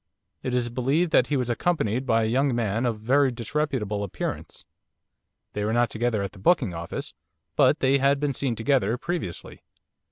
'It is believed that he was accompanied by a young man of very disreputable appearance. They were not together at the booking office, but they had been seen together previously.